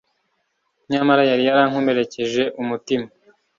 nyamara yari yarankomerekeje umutima